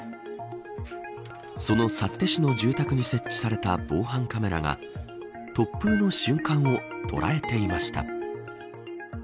その幸手市の住宅に設置された防犯カメラが突風の瞬間を捉えていました。